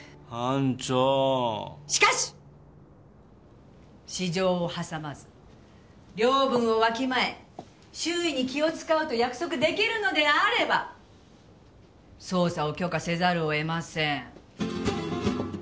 しかし！私情を挟まず領分をわきまえ周囲に気を使うと約束出来るのであれば捜査を許可せざるを得ません。